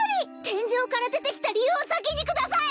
天井から出てきた理由を先にください！